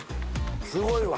すごいわ。